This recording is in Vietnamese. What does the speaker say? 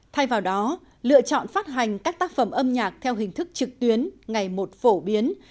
thay vào đó lựa chọn phát hành các tác phẩm âm nhạc theo hình thức trực tuyến ngày một phổ biến